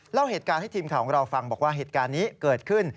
เล่าเหตุการณ์ให้ทีมข่าวของเราฟังบอกว่าเหตุการณ์นี้เกิดขึ้น